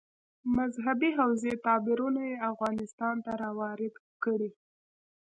مذهبي حوزې تعبیرونه یې افغانستان ته راوارد کړي.